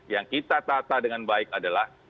yang kita tata dengan baik adalah